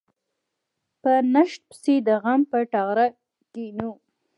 په نشت پسې د غم په ټغره کېنو.